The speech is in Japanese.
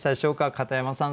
片山さん